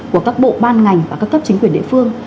của các bộ ban ngành và các cấp chính quyền địa phương